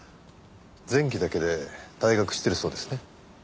前期だけで退学してるそうですね。